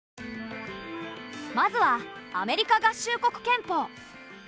まずはアメリカ合衆国憲法。